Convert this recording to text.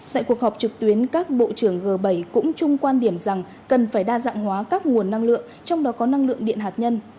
tại cuộc họp trực tuyến các bộ trưởng g bảy cũng chung quan điểm rằng cần phải đa dạng hóa các nguồn năng lượng trong đó có năng lượng điện hạt nhân